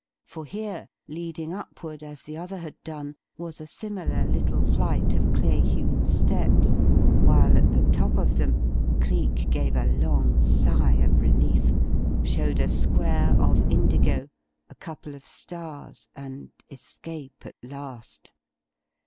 For here, leading upward as the other had done, was a similar little flight of clay hewn steps, while at the top of them Cleek gave a long sigh of relief showed a square of indigo, a couple of stars and escape at last.